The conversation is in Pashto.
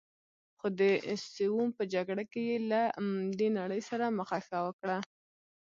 خو د سوم په جګړه کې یې له دې نړۍ سره مخه ښه وکړه.